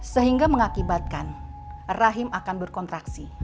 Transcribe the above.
sehingga mengakibatkan rahim akan berkontraksi